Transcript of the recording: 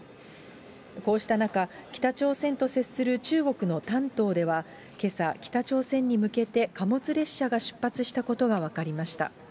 こうした中、北朝鮮と接する中国の丹東では、けさ、北朝鮮に向けて貨物列車が出発したことが分かりました。